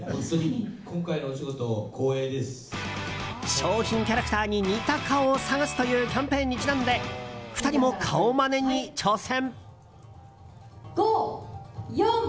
商品キャラクターに似た顔を探すというキャンペーンにちなんで２人も顔まねに挑戦。